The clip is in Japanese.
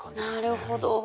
なるほど。